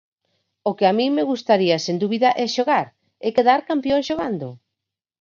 O que a min me gustaría sen dúbida é xogar, e quedar campión xogando.